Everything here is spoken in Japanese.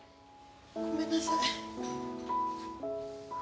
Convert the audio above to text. ごめんなさい。